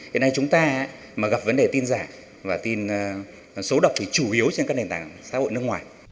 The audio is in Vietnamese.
hiện nay chúng ta gặp vấn đề tin giả và tin số độc chủ yếu trên các nền tảng xã hội nước ngoài